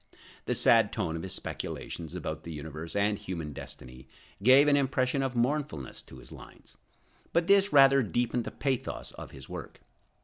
The sad tone of his speculations about the universe and human destiny gave an impression of mournfulness to his lines, but this rather deepened the pathos of his work.